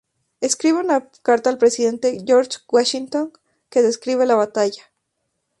Escribe una carta al Presidente George Washington que describe la batalla.